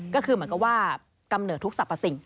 ก็คือเหมือนกับว่ากำเนิดทุกสรรพสิ่ง